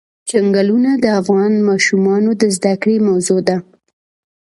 چنګلونه د افغان ماشومانو د زده کړې موضوع ده.